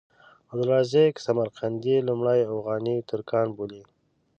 عبدالرزاق سمرقندي لومړی اوغاني ترکان بولي.